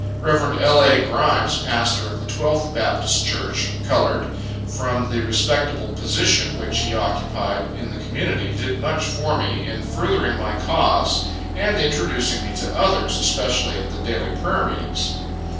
Rev. L. A. Grimes, pastor of the 12th Baptist Church, (colored,) from the respectable position which he occupied in the community, did much for me, in furthering my cause, and introducing me to others, especially at the daily prayer meetings.